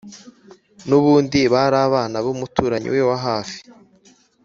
nubundi bari abana b'umuturanyi we wa hafi,